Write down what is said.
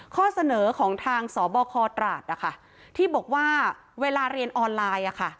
ข้อเสนอของทางสบคตราดนะคะที่บอกว่าเวลาเรียนออนไลน์